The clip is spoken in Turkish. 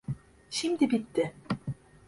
Şimdi bitti.